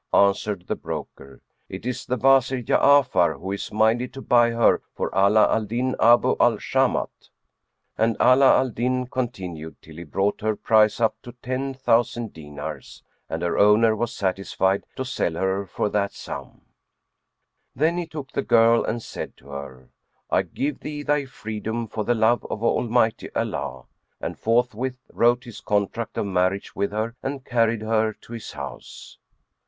Answered the broker, "It is the Wazir Ja'afar who is minded to buy her for Ala al Din Abu al Shamat." And Ala al Din continued till he brought her price up to ten thousand dinars, and her owner was satisfied to sell her for that sum. Then he took the girl and said to her, "I give thee thy freedom for the love of Almighty Allah;" and forthwith wrote his contract of marriage with her and carried her to his house.